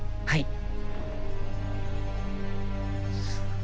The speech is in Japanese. はい。